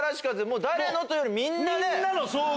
誰のというよりみんなで。